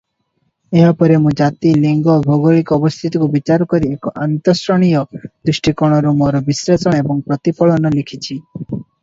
ଏହା ପରେ ମୁଁ ଜାତି, ଲିଙ୍ଗ, ଭୌଗୋଳିକ ଅବସ୍ଥିତିକୁ ବିଚାର କରି ଏକ ଆନ୍ତର୍ଶ୍ରେଣୀୟ ଦୃଷ୍ଟିକୋଣରୁ ମୋର ବିଶ୍ଳେଷଣ ଏବଂ ପ୍ରତିଫଳନ ଲେଖିଛି ।